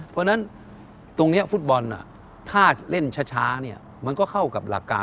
เพราะฉะนั้นตรงนี้ฟุตบอลถ้าเล่นช้าเนี่ยมันก็เข้ากับหลักการ